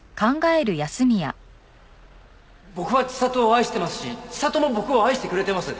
僕は知里を愛してますし知里も僕を愛してくれてます。